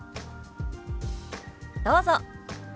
どうぞ。